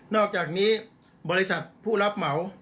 อกจากนี้บริษัทผู้รับเหมา